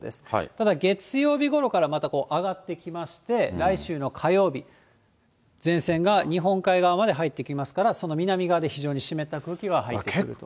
ただ、月曜日ごろからまた上がってきまして、来週の火曜日、前線が日本海側まで入ってきますから、その南側で非常に湿った空気が入ってくると。